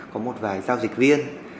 có một vài giao dịch viên